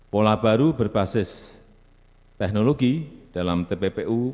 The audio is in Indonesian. pola baru berbasis teknologi dalam tppu